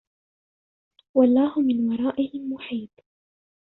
والله من ورائهم محيط